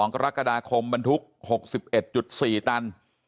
กรกฎาคมบรรทุก๖๑๔ตัน